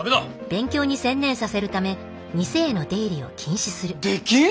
勉強に専念させるため店への出入りを禁止する出禁！？